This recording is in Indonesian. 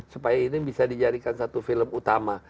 supaya ini bisa dijadikan satu film utama